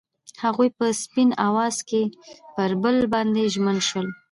هغوی په سپین اواز کې پر بل باندې ژمن شول.